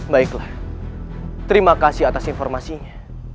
baiklah terima kasih atas informasinya